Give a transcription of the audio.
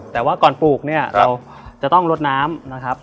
แต่ว่าก่อนปลูกเนี่ยเราจะต้องลดน้ำนะครับ